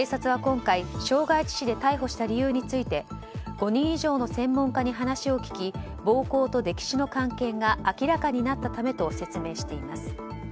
警察は今回、傷害致死で逮捕した理由について５人以上の専門家に話を聞き暴行と溺死の関係が明らかになったためと説明しています。